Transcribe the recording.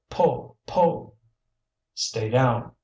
pull! pull!" "Stay down!"